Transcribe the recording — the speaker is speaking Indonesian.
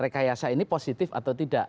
rekayasa ini positif atau tidak